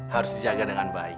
harus dijaga dengan baik